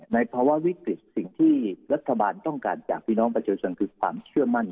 ภาวะวิกฤตสิ่งที่รัฐบาลต้องการจากพี่น้องประชาชนคือความเชื่อมั่น